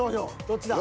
どっちだ？